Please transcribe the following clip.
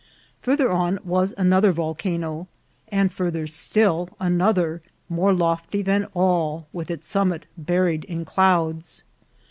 Farther on was an other volcano, and farther still another, more lofty than all, with its summit buried in clouds.